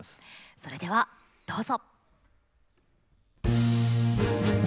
それでは、どうぞ。